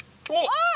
あっ！